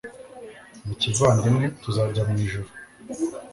mu kivandimwe, tuzajya mu ijuru